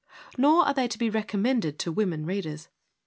Nor are they to be recommended to women readers.